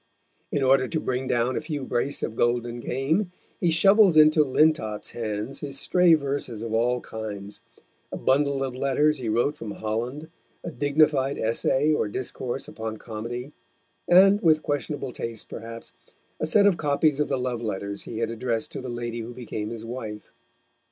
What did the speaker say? In order to bring down a few brace of golden game, he shovels into Lintott's hands his stray verses of all kinds, a bundle of letters he wrote from Holland, a dignified essay or discourse upon Comedy, and, with questionable taste perhaps, a set of copies of the love letters he had addressed to the lady who became his wife.